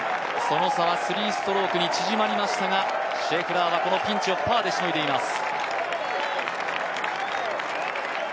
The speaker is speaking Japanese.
その差は３ストロークに縮まりましたが、シェフラーはこのピンチをパーでしのいでいます。